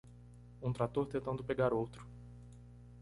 Um trator tentando pegar outro